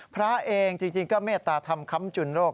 พระเองจริงก็เมตตาธรรมค้ำจุนโรค